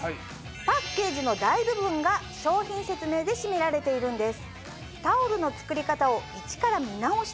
パッケージの大部分が商品説明で占められているんです。